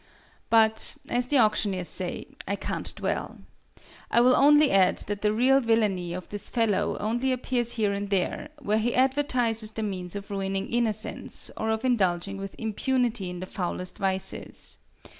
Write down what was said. But as the auctioneers say "I can't dwell." I will only add that the real villainy of this fellow only appears here and there, where he advertises the means of ruining innocence, or of indulging with impunity in the foulest vices.